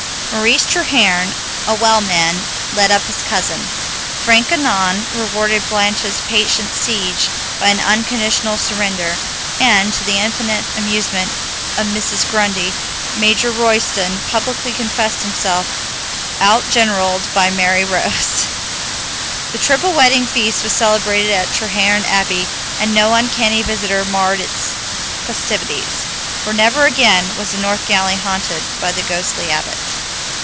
Maurice Treherne, a well man, led up his cousin. Frank Annon rewarded Blanche's patient siege by an unconditional surrender, and, to the infinite amusement of Mrs. Grundy, Major Royston publicly confessed himself outgeneraled by merry Rose. The triple wedding feast was celebrated at Treherne Abbey, and no uncanny visitor marred its festivities, for never again was the north gallery haunted by the ghostly Abbot.